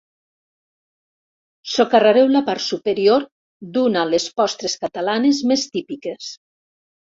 Socarrareu la part superior d'una les postres catalanes més típiques.